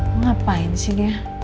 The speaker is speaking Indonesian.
mau ngapain sih dia